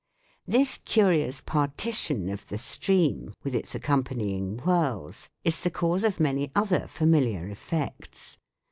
This curious partition of the stream with its accompanying whirls is the cause of many other familiar effects.